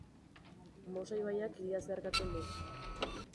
Mosa ibaiak hiria zeharkatzen du.